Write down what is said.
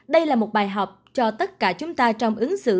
đây là một bài học cho tất cả chúng ta trong ứng xử